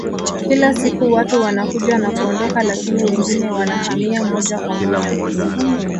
Kila siku watu wanakuja na kuondoka lakini wengine wanahamia moja kwa moja